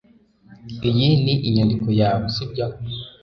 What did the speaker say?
iyi ni inyandiko yawe, sibyo